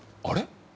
「あれ？